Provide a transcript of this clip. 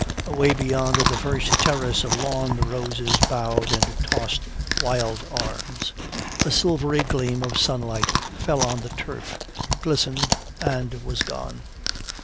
Away beyond the first terrace of lawn the roses bowed and tossed wild arms. A silvery gleam of sunlight fell on the turf, glistened, and was gone.